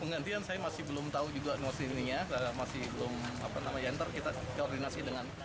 penggantian saya masih belum tahu juga di masa ininya masih belum apa nama yang terkita koordinasi dengan